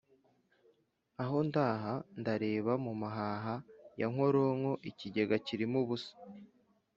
Aho ndi aha ndareba mu mahaha ya Nkoronko-Ikigega kirimo ubusa.